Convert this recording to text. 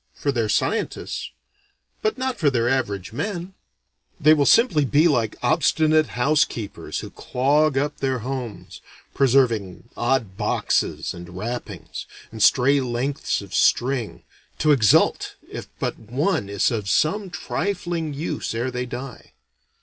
For their scientists. But not for their average men: they will simply be like obstinate housekeepers who clog up their homes, preserving odd boxes and wrappings, and stray lengths of string, to exult if but one is of some trifling use ere they die.